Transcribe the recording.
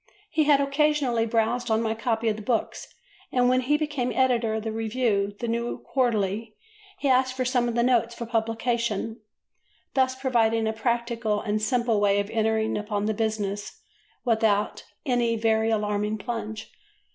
He had occasionally browsed on my copy of the books, and when he became editor of a review, the New Quarterly, he asked for some of the notes for publication, thus providing a practical and simple way of entering upon the business without any very alarming plunge.